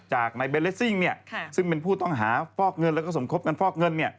จากนายเบนเลสซิ่งซึ่งเป็นผู้ต้องหาฟอกเงินแล้วก็สมคบกันฟอกเงิน